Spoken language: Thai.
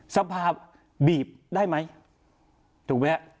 สภาพบีบได้มั้ยถูกมั้ยฮะ